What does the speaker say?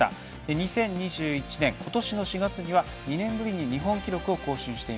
２０２１年、今年の４月には２年ぶり日本記録を更新。